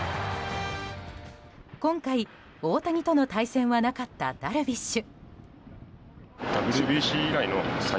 今回、大谷との対戦はなかったダルビッシュ。